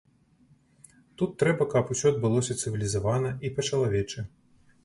Тут трэба, каб усё адбылося цывілізавана і па-чалавечы.